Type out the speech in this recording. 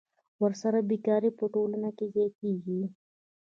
ورسره بېکاري په ټولنه کې زیاتېږي